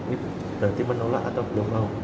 ini berarti menolak atau belum mau